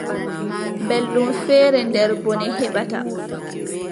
Belɗum feere nder bone heɓata.